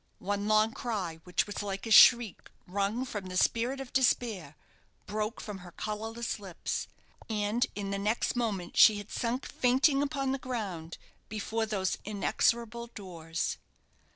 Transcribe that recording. One long cry, which was like a shriek wrung from the spirit of despair, broke from her colourless lips, and in the next moment she had sunk fainting upon the ground before those inexorable doors.